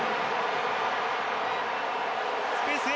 スペースへ。